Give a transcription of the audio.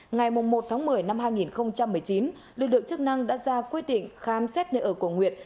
ngày một một mươi năm hai nghìn một mươi chín lực lượng chức năng đã ra quyết định khám xét nơi ở của nguyệt